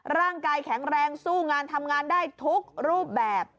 ร่างกายแข็งแรงสู้งานทำงานได้ทุกรูปแบบ